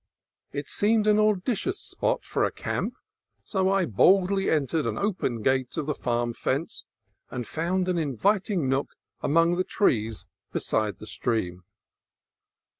It seemed an auspicious spot for a camp, so I boldly entered an open gate of the farm fence, and found an inviting nook among the trees beside the stream.